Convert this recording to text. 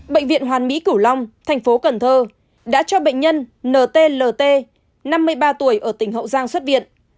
bệnh viện hoàn mỹ cửu long thành phố cần thơ đã cho bệnh nhân nt năm mươi ba tuổi ở tỉnh hậu giang xuất viện